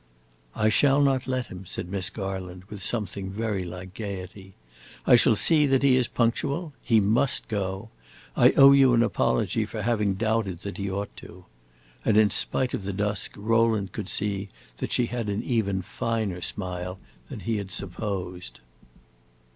"I shall not let him," said Miss Garland, with something very like gayety. "I shall see that he is punctual. He must go! I owe you an apology for having doubted that he ought to." And in spite of the dusk Rowland could see that she had an even finer smile than he had supposed.